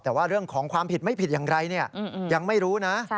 แต่ว่าเรื่องของความผิดไม่ผิดอย่างไรยังไม่รู้นะ